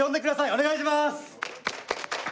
お願いします！